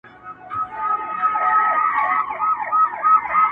عشق مي ژبه را ګونګۍ کړه په لېمو دي پوهومه،